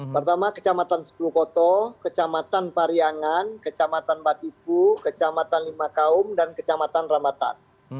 pertama kecamatan sepulukoto kecamatan pariangan kecamatan batipu kecamatan lima kaum dan kecamatan ramatan